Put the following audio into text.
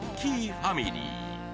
ファミリー。